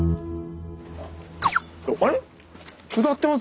あれ？